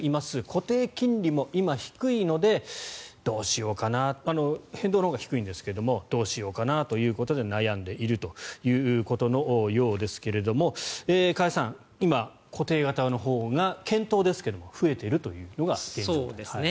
固定金利も今、低いので変動のほうが低いんですけどどうしようかなと悩んでいるということのようですが加谷さん、今、固定型のほうが検討ですが増えているというのが現状と。